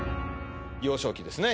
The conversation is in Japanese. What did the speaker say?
幼少期ですね